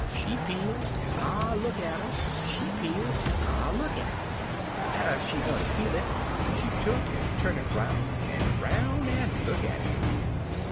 She peel, an' I look at 'er — she peel, an' I look at 'er. Atter she done peel it, she tuck'n tu'n it 'roun' an' 'roun' an' look at it.